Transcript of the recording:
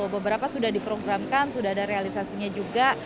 beberapa sudah diprogramkan sudah ada realisasinya juga